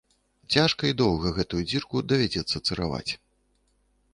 Цяжка і доўга гэтую дзірку давядзецца цыраваць.